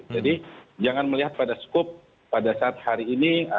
jadi jangan melihat pada skop pada saat hari ini